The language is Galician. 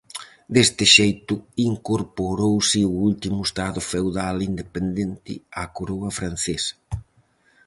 Deste xeito incorporouse o último estado feudal independente á coroa francesa.